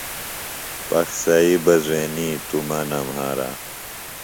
پخسئی بہ زُوئینی توۡ مہ نہ مھارہ۔